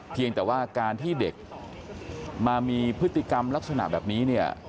เพียงแต่ว่าการที่เด็กมามีพฤติกรรมลักษณะแบบนี้เนี่ย